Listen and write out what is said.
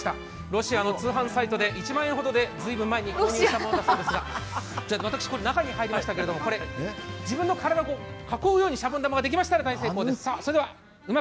ロシアの通販サイトで１万円ほどでずいぶん前に購入したそうですが私、中に入りましたけれども、自分の体を囲うようにシャボン玉ができましたら大成功です。